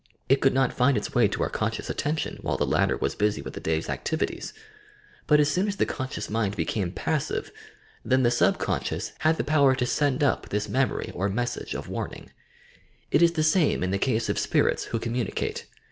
It could not find its way to our conscious attention while the latter was busy with the day's activities, but as soon as the conscious mind became passive, then the subcon scious had the power to send up this memory or message k. YOUR PSYCHIC POWERS ■ of waming. It is the same in the case of "spirits" wlio communicate.